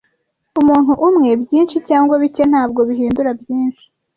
Umuntu umwe byinshi cyangwa bike ntabwo bihindura byinshi.